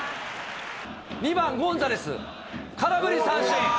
２番ゴンザレス、空振り三振。